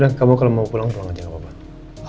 lihat kamu kalau mau pulang doang aja gak apa apa